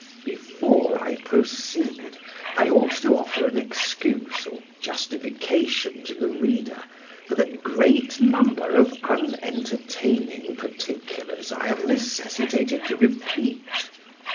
Before I proceed, I ought to offer an excuse, or justification to the reader for the great number of unentertaining particulars I am necessitated to repeat.